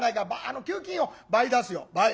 給金を倍出すよ倍。